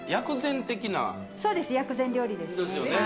そうです薬膳料理です。ですよね。